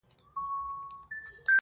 مجاهد د خداى لپاره دى لوېــدلى.